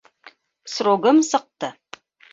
Срогым сыҡты.